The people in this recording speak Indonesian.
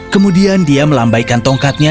kemudian dia melambaikan tongkatnya